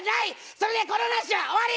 それでこの話は終わり！